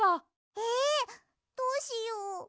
えどうしよう。